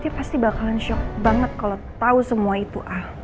dia pasti bakalan shock banget kalau tau semua itu al